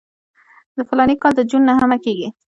د فلاني کال د جون نهمه کېږي.